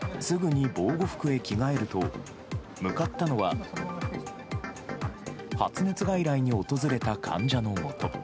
すぐに防護服へ着替えると、向かったのは、発熱外来に訪れた患者のもと。